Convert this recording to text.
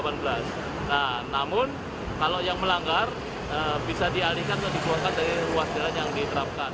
nah namun kalau yang melanggar bisa dialihkan atau dikeluarkan dari ruas jalan yang diterapkan